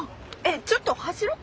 ちょっと走ろっか。